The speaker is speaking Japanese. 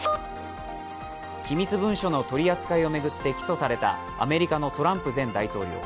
機密文書の取り扱いを巡って起訴されたアメリカのトランプ前大統領。